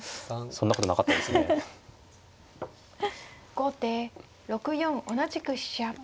後手６四同じく飛車。